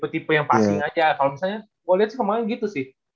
kalo misalnya gua liat sih kemarin gitu sih